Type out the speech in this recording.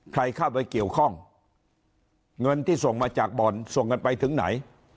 ใครเข้าไปเกี่ยวข้องเงินที่ส่งมาจากบ่อนส่งกันไปถึงไหน